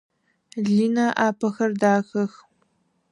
Линэ ыӏапэхэр дахэх.